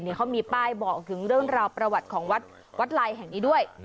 เขามีป้ายบอกถึงเรื่องราวประวัติของวัดลายแห่งนี้ด้วย